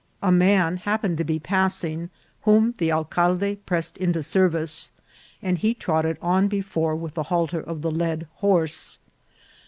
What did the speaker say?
A man happened to be passing, whom the alcalde pressed into service, and he trotted on before with the halter of the led horse.